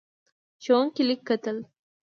ښوونکی لیک کتل.